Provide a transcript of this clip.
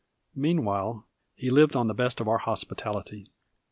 Meanwhile he lived on the best of our hospitality.